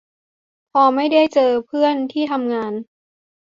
พอไม่ได้เจอเพื่อนที่ทำงาน